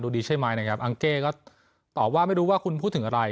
ดีใช่ไหมนะครับอังเก้ก็ตอบว่าไม่รู้ว่าคุณพูดถึงอะไร